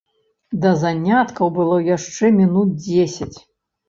Да заняткаў было яшчэ мінут дзесяць.